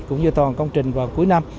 cũng như toàn công trình vào cuối năm